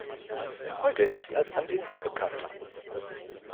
Heute ist sie als Andesit bekannt.